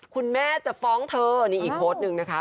คุณแม่จะฟ้องเธอนี่อีกโพสต์หนึ่งนะคะ